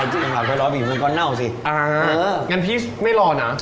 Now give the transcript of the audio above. หมูหมักไว้ร้อยปีมึงก็เน่าสิอ่างั้นพี่ไม่รอน่ะ